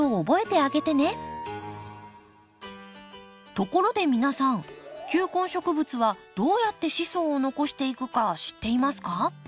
ところで皆さん球根植物はどうやって子孫を残していくか知っていますか？